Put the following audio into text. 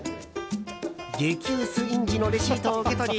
激薄印字のレシートを受け取り